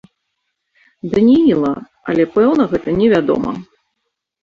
Данііла, але пэўна гэта не вядома.